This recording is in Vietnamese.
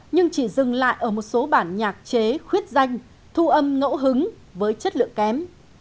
nhưng chỉ dừng lại ở một số bản nhạc chế khuyết danh thu âm ngẫu hứng với chất lượng kém